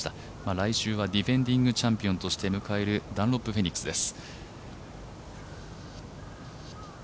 来週はディフェンディングチャンピオンとして迎えるダンロップフェニックスです。